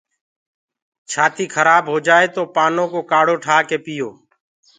ڇآتي کرآب هوجآئي تو پآنو ڪو ڪآڙهو ٺآڪي پيو۔